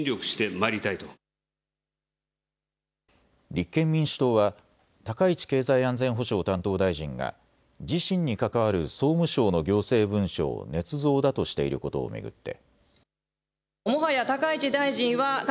立憲民主党は高市経済安全保障担当大臣が自身に関わる総務省の行政文書をねつ造だとしていることを巡って。